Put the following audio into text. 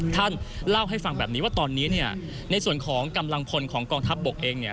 ท่านเล่าให้ฟังแบบนี้ว่าตอนนี้เนี่ยในส่วนของกำลังพลของกองทัพบกเองเนี่ย